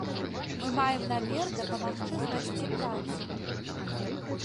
Мы маем намер дапамагчы знайсці працу.